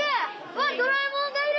わっドラえもんがいる！